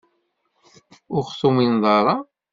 Ur ɣ-tumineḍ ara?